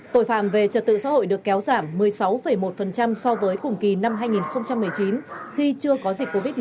tội phạm về trật tự xã hội được kéo giảm một mươi sáu một so với cùng kỳ năm hai nghìn một mươi chín khi chưa có dịch covid một mươi chín